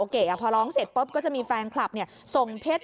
พอร้องเสร็จปุ๊บก็จะมีแฟนคลับส่งเพชร